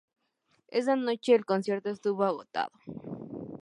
Esa noche el concierto estuvo agotado.